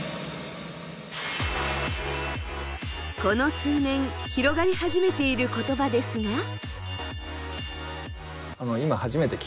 この数年広がり始めている言葉ですが。